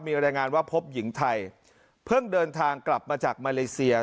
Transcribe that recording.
มีรายงานว่าพบหญิงไทยเพิ่งเดินทางกลับมาจากมาเลเซีย